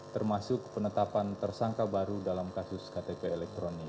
termasuk penetapan tersangka baru dalam kasus ktpl